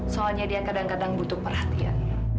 soalnya dia kadang kadang butuh perhatian